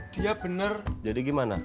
dia bener jadi gimana